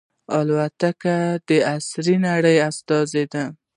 الوتکه د عصري نړۍ استازې ده.